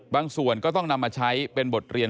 ส่วนก็ต้องนำมาใช้เป็นบทเรียน